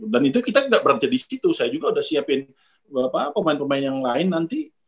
dan itu kita nggak berantai di situ saya juga udah siapin pemain pemain yang lain nanti